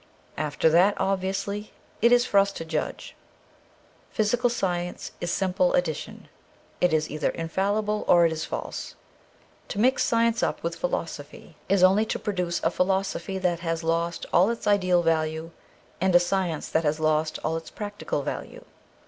After that, obviously, it is for us to judge. Physical science is like simple addition ; it is either infallible or it is false. To mix science up with philosophy is only to produce a philosophy that has lost all its ideal value and a science that has lost all its practical value.